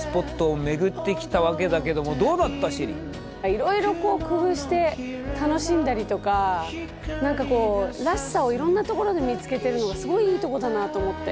いろいろこう工夫して楽しんだりとか何かこうらしさをいろんなところで見つけてるのがすごいいいとこだなと思って。